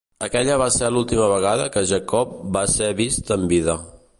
Aquella va ser l'última vegada que Jacob va ser vist amb vida.